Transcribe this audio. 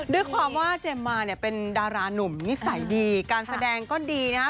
ด้วยความว่าเจมส์มาเนี่ยเป็นดารานุ่มนิสัยดีการแสดงก็ดีนะฮะ